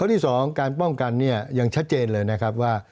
ที่สองการป้องกันเนี่ยยังชัดเจนเลยนะครับว่า